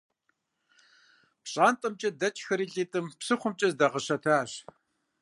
ПщӀантӀэмкӀэ дэкӀхэри лӀитӀым псыхъуэмкӀэ зыдагъэщэтащ.